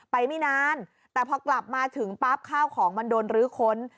ไม่นานแต่พอกลับมาถึงปั๊บข้าวของมันโดนรื้อค้น